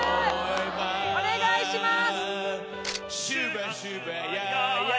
お願いします！